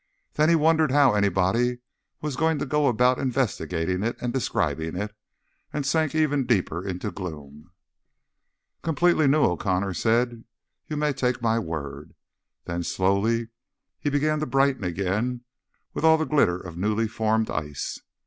Then he wondered how anybody was going to go about investigating it and describing it, and sank even deeper into gloom. "Completely new," O'Connor said. "You may take my word." Then, slowly, he began to brighten again, with all the glitter of newly formed ice.